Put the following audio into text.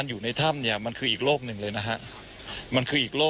คุณทัศนาควดทองเลยค่ะ